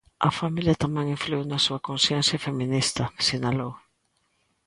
A familia tamén influíu na súa conciencia feminista, sinalou.